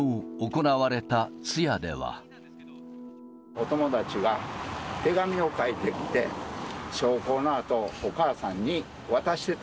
お友達が手紙を書いてきて、焼香のあと、お母さんに渡してた。